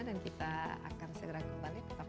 dan kita akan segera kembali tetap bersama sama